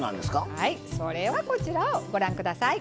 はいそれはこちらをご覧下さい！